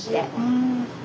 うん。